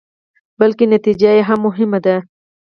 بلکې نتيجه يې هم مهمه ده.